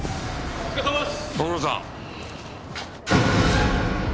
お疲れさまです。